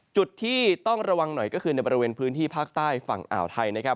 จุดที่ต้องระวังหน่อยก็คือในบริเวณพื้นที่ภาคใต้ฝั่งอ่าวไทยนะครับ